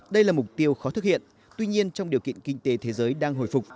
đây là mục tiêu khó thực hiện tuy nhiên trong điều kiện kinh tế thế giới đang hồi phục